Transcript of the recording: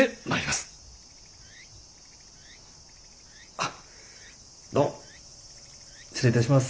あっどうも失礼いたします。